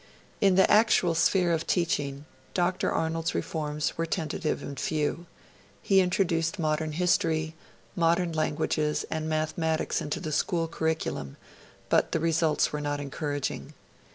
In the actual sphere of teaching, Dr. Arnold's reforms were tentative and few. He introduced modern history, modern languages, and mathematics into the school curriculum; but the results were not encouraging.